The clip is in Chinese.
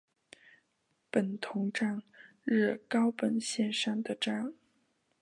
本桐站日高本线上的站。